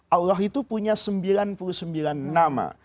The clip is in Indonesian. allah itu punya sembilan puluh sembilan nama